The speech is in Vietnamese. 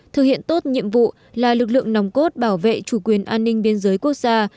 thực hiện tốt nhiệm vụ là lực lượng nòng cốt bảo vệ chủ quyền an ninh biên giới quốc gia